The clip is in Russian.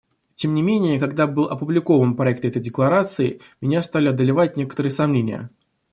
Тем не менее, когда был опубликован проект этой декларации, меня стали одолевать некоторые сомнения.